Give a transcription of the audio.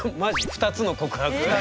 「２つの告白」？